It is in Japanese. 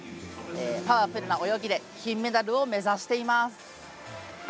パワフルな泳ぎで金メダルを目指しています。